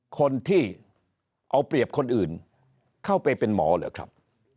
คนที่เอาเปรียบคนอื่นเข้าไปเป็นหมอเหรอครับ